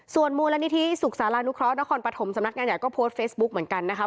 ส่วนมูลนิธิสุขศาลานุเคราะหนครปฐมสำนักงานใหญ่ก็โพสต์เฟซบุ๊กเหมือนกันนะคะ